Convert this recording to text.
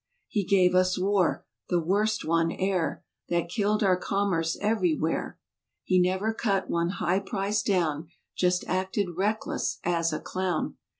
He gave us war, the worst one e'er; That killed our commerce ever5rwhere. He never cut one high price down— Just acted reckless as a clown.